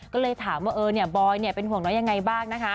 ก็เลยถามว่าเอ่อบอยเป็นห่วงน้อยใช่ไหมบ้าง